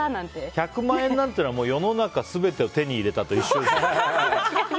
１００万円なんてのは世の中全てを手に入れたと一緒ですから。